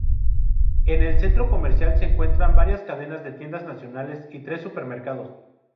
En el centro comercial se encuentran varias cadenas de tiendas nacionales y tres supermercados.